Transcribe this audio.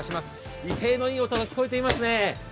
威勢のいい音が聞こえてますね。